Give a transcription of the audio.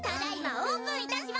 オープンいたします！